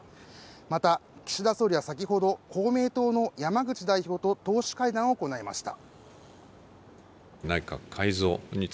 また岸田総理は先ほど公明党の山口代表と党首会談を行いました